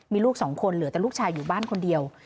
มีลูกสองคนเหลือแต่ลูกชายอยู่บ้านคนเดียว